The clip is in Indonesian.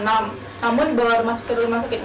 namun dibawa ke rumah sakit